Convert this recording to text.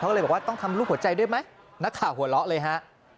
ก็เลยบอกว่าต้องทำรูปหัวใจด้วยไหมนักข่าวหัวเราะเลยฮะ